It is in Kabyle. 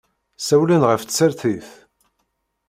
Ssawlen ɣef tsertit.